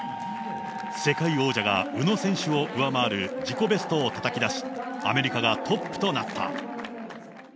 世界王者が宇野選手を上回る自己ベストをたたき出し、アメリカがトップとなった。